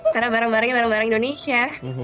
karena barang barangnya barang barang indonesia